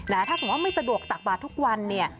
ถ้าสมมุติไม่สะดวกตักบาททุกวันเนี่ย